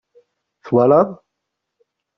Twalaḍ!